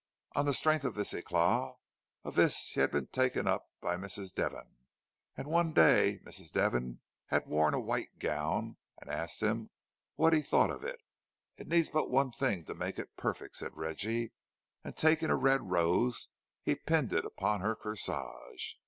On the strength of the eclat of this he had been taken up by Mrs. Devon; and one day Mrs. Devon had worn a white gown, and asked him what he thought of it. "It needs but one thing to make it perfect," said Reggie, and taking a red rose, he pinned it upon her corsage.